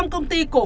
năm công ty cổ phần